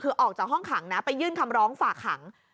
คือออกจากห้องขังนะไปยื่นคำร้องฝากขัง